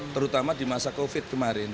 terutama di masa covid kemarin